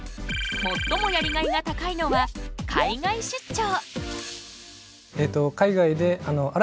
最もやりがいが高いのは海外出張。